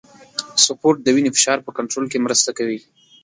سپورت د وینې فشار په کنټرول کې مرسته کوي.